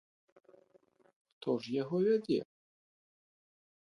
Хто ж яго вядзе?